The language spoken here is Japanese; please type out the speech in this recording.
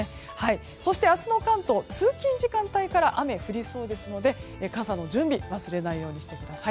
そして、明日の関東通勤時間帯から雨が降りそうですので傘の準備忘れないようにしてください。